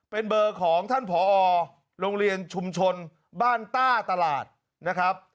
เป็นเบอร์ของท่านผอโรงเรียนชุมชนบ้านต้าตลาดนะครับ